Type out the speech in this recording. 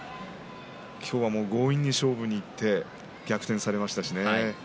今日は強引に勝負にいって逆転されましたしね。